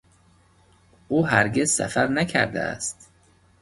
او هرگز سفر نکرده است